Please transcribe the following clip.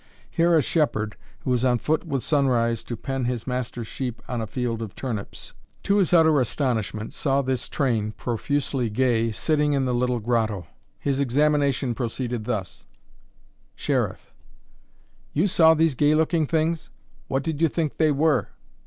Here a shepherd, who was on foot with sunrise to pen his master's sheep on a field of turnips, to his utter astonishment, saw this train, profusely gay, sitting in the little grotto. His examination proceeded thus: Sheriff. You saw these gay looking things? what did you think they were?